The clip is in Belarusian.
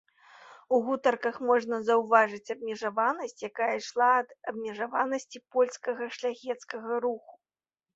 У гутарках можна заўважыць абмежаванасць, якая ішла ад абмежаванасці польскага шляхецкага руху.